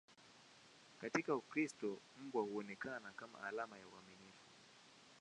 Katika Ukristo, mbwa huonekana kama alama ya uaminifu.